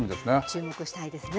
注目したいですね。